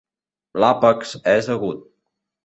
L'àpex és agut.